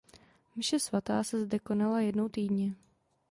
Mše svatá se zde konala jednou týdně.